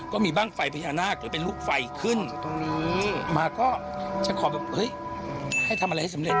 ก็มีบ้างไฟพญานาคหรือเป็นลูกไฟขึ้นตรงนี้มาก็จะขอแบบเฮ้ยให้ทำอะไรให้สำเร็